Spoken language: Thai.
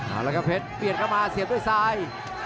เอาละครับเพชรเปลี่ยนเข้ามาเสียบด้วยซ้าย